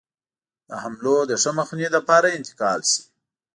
د حملو د ښه مخنیوي لپاره انتقال شي.